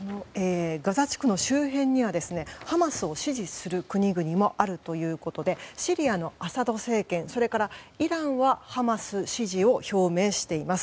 ガザ地区の周辺にはハマスを支持する国々もあるということでシリアのアサド政権やイランはハマス支持を表明しています。